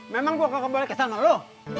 memang gue gak kembali kesel sama lu